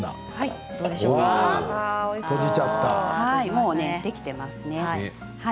もうできてますね。